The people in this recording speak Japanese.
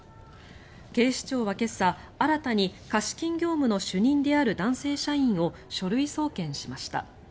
警視庁は今朝新たに貸金業務の主任である男性社員を書類送検しました。